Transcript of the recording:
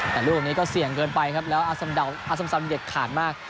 แต่รูปนี้ก็เสี่ยงเกินไปครับแล้วอสัมดาวอสัมสัมเด็กขาดมาก